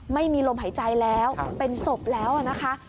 ไม่มีลมหายใจแล้วเป็นศพแล้วนะคะ